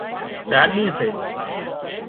ڏاڏِي سي